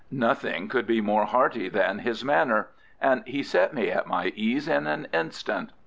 Nothing could be more hearty than his manner, and he set me at my ease in an instant.